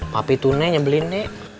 pak pitu nyebelin